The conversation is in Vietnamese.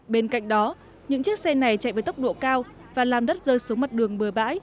bên cạnh đó những chiếc xe này chạy với tốc độ cao và làm đất rơi xuống mặt đường bừa bãi